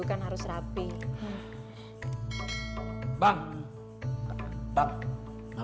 kan harus rapi bang bang